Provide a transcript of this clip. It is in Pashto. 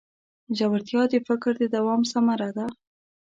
ژورتیا د فکر د دوام ثمره ده.